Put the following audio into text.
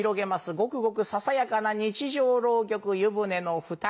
ごくごくささやかな日常浪曲『湯船の二人』。